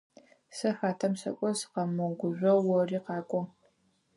Сэ хатэм сэкӏо, зыкъэмыгъэгужъоу ори къакӏо.